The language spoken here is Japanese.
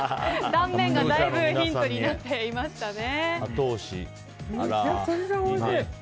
断面が、だいぶヒントになっていましたね。